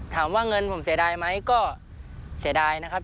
ถามว่าเงินผมเสียดายไหมก็เสียดายนะครับ